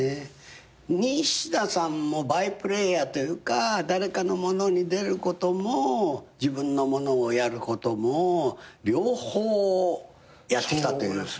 西田さんもバイプレーヤーというか誰かのものに出ることも自分のものをやることも両方やってきたという感じがありますよね。